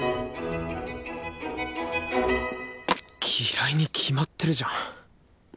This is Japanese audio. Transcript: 嫌いに決まってるじゃん。